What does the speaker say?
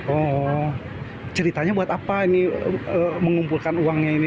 oh ceritanya buat apa ini mengumpulkan uangnya ini